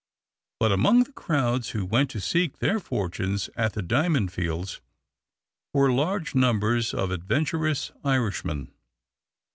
But among the crowds who went to seek their fortunes at the diamond fields were large numbers of adventurous Irishmen.